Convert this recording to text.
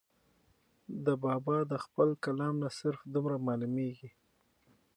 د بابا د خپل کلام نه صرف دومره معلوميږي